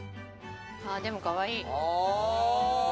あ、でも、かわいい。